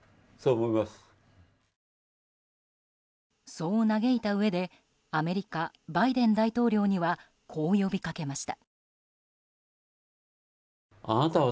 そう嘆いたうえでアメリカ、バイデン大統領にはこう呼びかけました。